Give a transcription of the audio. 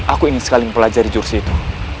aku ingin sekali mempelajari jursi itu